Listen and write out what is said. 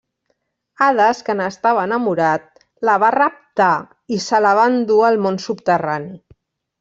Hades, que n'estava enamorat, la va raptar i se la va endur al món subterrani.